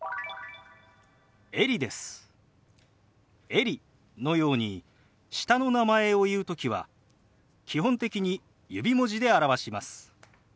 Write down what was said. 「エリ」のように下の名前を言う時は基本的に指文字で表します。